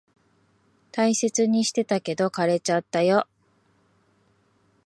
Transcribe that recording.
大切にしてたけど、枯れちゃったよ。